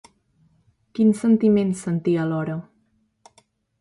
Quins sentiments sentia alhora?